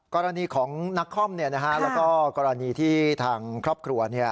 กรณีของนักคอมแล้วก็กรณีที่ทางครอบครัว